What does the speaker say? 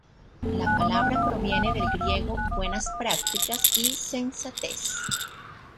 La palabra proviene del griego "buenas prácticas" y "sensatez".